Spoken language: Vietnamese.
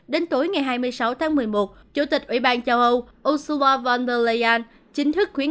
đến tối ngày hai mươi sáu tháng một mươi một chủ tịch ủy ban châu âu oso von der leyan chính thức khuyến